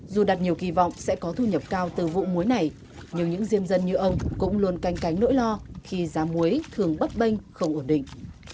dù đặt nhiều kỳ vọng sẽ có thu nhập cao từ vụ muối này nhưng những diêm dân như ông cũng luôn canh cánh nỗi lo khi giá muối thường bấp bênh không ổn định